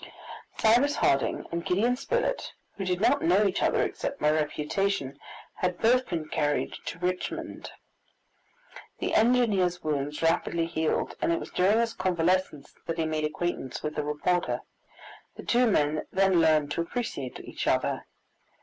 Cyrus Harding and Gideon Spilett, who did not know each other except by reputation, had both been carried to Richmond. The engineer's wounds rapidly healed, and it was during his convalescence that he made acquaintance with the reporter. The two men then learned to appreciate each other.